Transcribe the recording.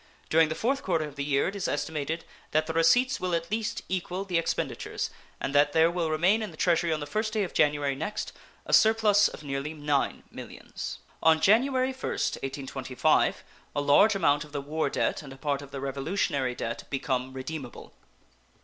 During the 4th quarter of the year it is estimated that the receipts will at least equal the expenditures, and that there will remain in the Treasury on the first day of January next a surplus of nearly $9 millions. On January 1st, 1825, a large amount of the war debt and a part of the Revolutionary debt become redeemable.